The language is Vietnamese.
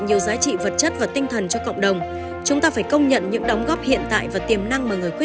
nhiều giá trị vật chất và tinh thần cho cộng đồng chúng ta phải công nhận những đóng góp hiện tại và